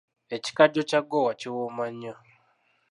Ekikajjo kya ggoowa kiwooma nnyo.